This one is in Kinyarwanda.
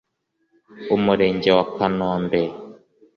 umurenge wa kanombe,